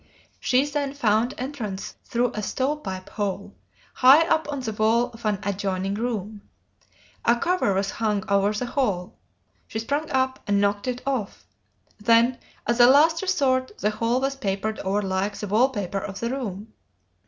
She then found entrance through a stove pipe hole, high up on the wall of an adjoining room. A cover was hung over the hole. She sprang up and knocked it off. Then, as a last resort, the hole was papered over like the wall paper of the room.